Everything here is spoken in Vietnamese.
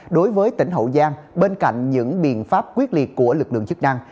đối với tỉnh hậu giang bên cạnh những biện pháp quyết liệt của lực lượng chức năng